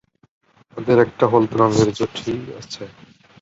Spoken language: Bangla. এদের একটা হলুদ রঙের ঝুঁটি আছে।